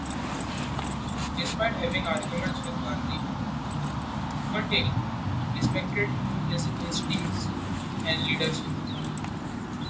Despite having arguments with Gandhi, Patel respected his instincts and leadership.